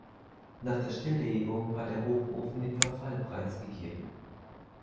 Nach der Stilllegung war der Hochofen dem Verfall preisgegeben.